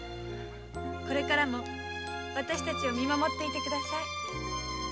これからもわたしたちを見守っていて下さい。